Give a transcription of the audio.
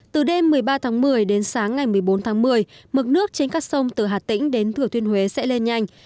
từ đêm một mươi ba tháng một mươi đến sáng ngày một mươi bốn tháng một mươi mực nước trên các sông từ hà tĩnh đến thừa thiên huế sẽ lên nhanh